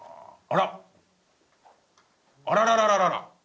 あらららららら！